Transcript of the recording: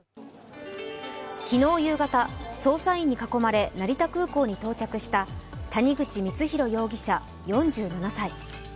昨日夕方、捜査員に囲まれ成田空港に到着した谷口光弘容疑者４７歳。